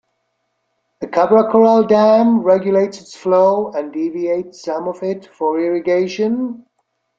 The Cabra Corral Dam regulates its flow, and deviates some of it for irrigation.